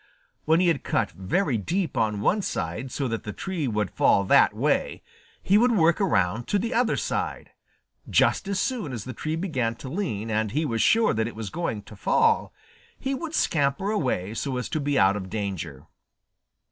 When he had cut very deep on one side so that the tree would fall that way, he would work around to the other side. Just as soon as the tree began to lean and he was sure that it was going to fall, he would scamper away so as to be out of danger.